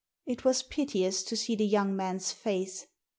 It was piteous to see the young man's face.